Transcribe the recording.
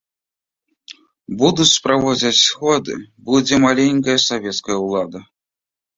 Будуць праводзіць сходы, будзе маленькая савецкая ўлада.